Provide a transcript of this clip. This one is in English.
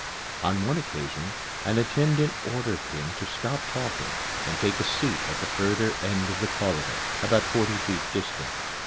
On one occasion an attendant ordered him to stop talking and take a seat at the further end of the corridor, about forty feet distant.